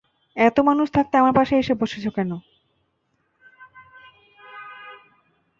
এত মানুষ থাকতে আমার পাশেই এসে বসেছ কেন?